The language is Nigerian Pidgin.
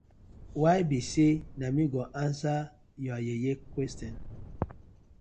Why bi say na mi go answering yah yeye questioning.